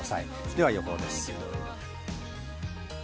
では予報です。